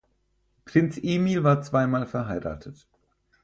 Prinz Emil war zweimal verheiratet.